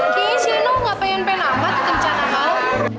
kayanya si eno gak pengen pengen amat kencan sama lo